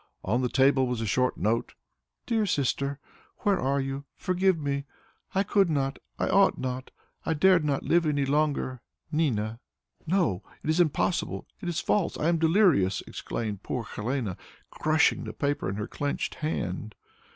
On the table was a short note: "'DEAR SISTER, "'Where are you? Forgive me! I could not, I ought not, I dared not live any longer. "'NINA.'" "No! It is impossible! It is false! I am delirious!" exclaimed poor Helene, crushing the paper in her clenched hand.